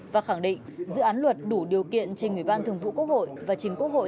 và khẳng định dự án luật đủ điều kiện trên người ban thường vụ quốc hội